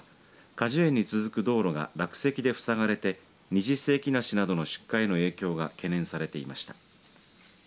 果樹園に続く道路が落石で塞がれて２０世紀梨などの出荷への影響が懸念されていました。